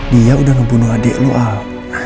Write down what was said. dia udah ngebunuh adik lu al